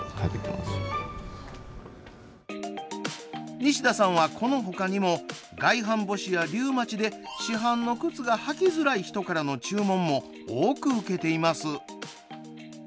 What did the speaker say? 西田さんは、このほかにも外反ぼしやリウマチで市販の靴が履きづらい人からの注文も多く受けています。